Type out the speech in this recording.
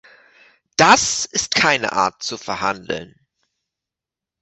Das ist keine Art zu verhandeln.